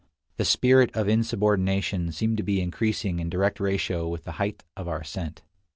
The spirit of insubordination seemed to be increasing in direct ratio with the height of our ascent.